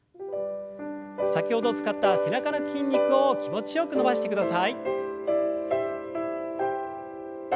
先ほど使った背中の筋肉を気持ちよく伸ばしてください。